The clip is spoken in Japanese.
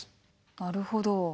なるほど。